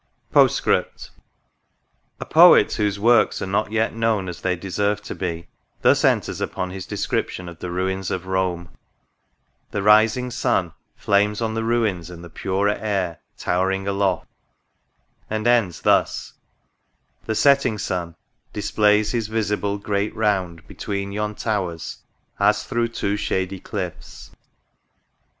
D 2 POSTSCRIPT. A Poet, whose works are not yet known as they deserve to be, thus enters upon his description of the " Ruins of Rome," " The rising Sun Flames on the ruins in the purer air Towering aloft ;" and ends thus, "The setting Sun displays His visible great round, between yon towers. As through two shady cliffs."